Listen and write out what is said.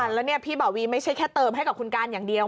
แล้วเนี่ยพี่บ่าวีไม่ใช่แค่เติมให้กับคุณการอย่างเดียว